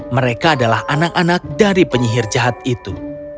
mereka adalah anak anak dari penyihir jahat itu